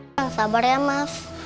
jangan sabar ya mas